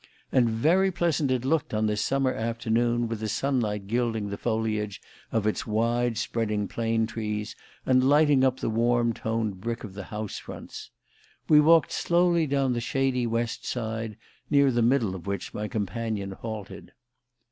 And very pleasant it looked on this summer afternoon, with the sunlight gilding the foliage of its wide spreading plane trees and lighting up the warm toned brick of the house fronts. We walked slowly down the shady west side, near the middle of which my companion halted.